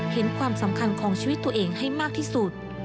เห็นความสำคัญของชีวิตตัวเองให้มากที่สุด